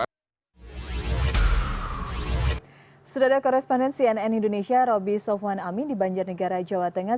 sudah ada koresponden cnn indonesia roby sofwan amin di banjarnegara jawa tengah